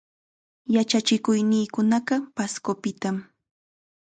Yachachikuqniikunaqa Pascopitam.